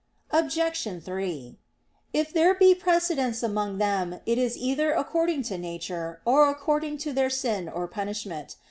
Obj. 3: If there be precedence among them it is either according to nature, or according to their sin or punishment.